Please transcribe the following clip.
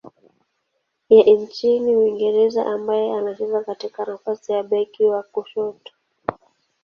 ya nchini Uingereza ambaye anacheza katika nafasi ya beki wa kushoto.